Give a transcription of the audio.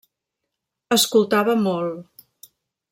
Escoltava molt.